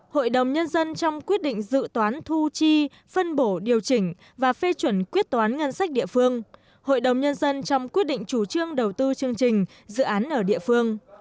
hội đồng nhân dân trong quyết định dự toán thu chi phân bổ điều chỉnh và phê chuẩn quyết toán ngân sách địa phương hội đồng nhân dân trong quyết định chủ trương đầu tư chương trình dự án ở địa phương